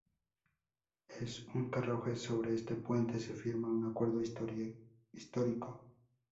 En un carruaje sobre este puente, se firmó un acuerdo histórico.